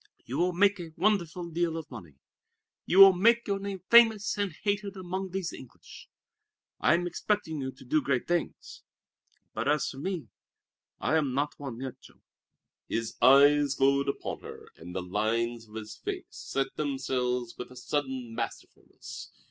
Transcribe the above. You will make a wonderful deal of money. You will make your name famous and hated among these English. I am expecting you to do great things. But as for me I am not won yet, Jean." His eyes glowed upon her, and the lines of his face set themselves with a sudden masterfulness.